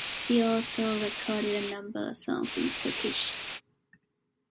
She also recorded a number of songs in Turkish.